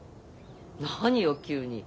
何よ急に。